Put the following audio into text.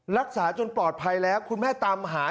รักษาจนปลอดภัยแล้วคุณแม่ตามหา